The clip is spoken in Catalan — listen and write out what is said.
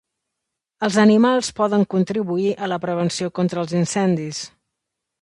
Els animals poden contribuir a la prevenció contra els incendis.